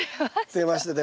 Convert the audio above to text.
出ました。